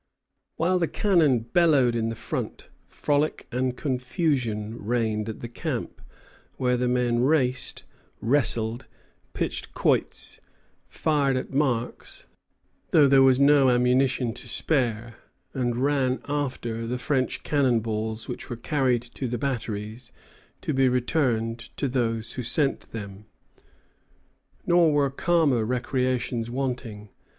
While the cannon bellowed in the front, frolic and confusion reigned at the camp, where the men raced, wrestled, pitched quoits, fired at marks, though there was no ammunition to spare, and ran after the French cannon balls, which were carried to the batteries, to be returned to those who sent them. Nor were calmer recreations wanting.